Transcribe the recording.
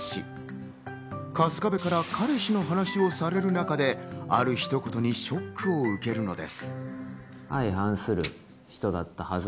しかし、春日部から彼氏の話をされる中で、あるひと言にショックを受けるのです。